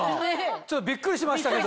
ちょっとびっくりしましたけど。